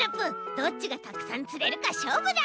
どっちがたくさんつれるかしょうぶだ！